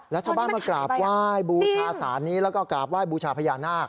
แล้วชาวบ้านมากราบไหว้บูชาสารนี้แล้วก็กราบไห้บูชาพญานาค